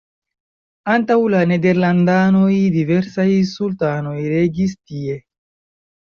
Antaŭ la nederlandanoj diversaj sultanoj regis tie.